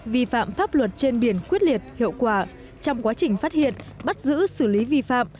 vi phạm pháp luật trên biển quyết liệt hiệu quả trong quá trình phát hiện bắt giữ xử lý vi phạm